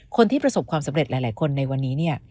คนที่ประสบความสำเร็จหลายคนในวันนี้เนี่ย